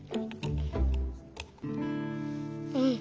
うん。